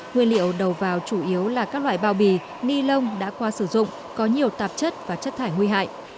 nguyên liệu đầu vào chủ yếu là các loại bao bì ni lông đã qua sử dụng có nhiều tạp chất và chất thải nguy hại